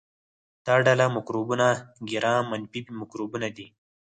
دا ډله مکروبونه ګرام منفي مکروبونه دي.